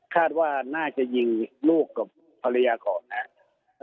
คาดว่าน่าจะยิงลูกกับภรรยาก่อนนะครับ